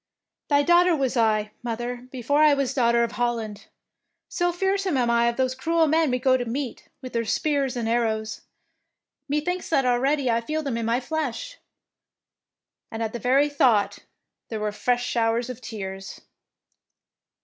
"" Thy daughter was I, mother, be fore I was Daughter of Holland. So fearsome am I of those cruel men we go to meet, with their spears and 80 THE PKINCESS WINS arrows. Methinks that already I feel them in my flesh"; and at the very thought there were fresh showers of tears.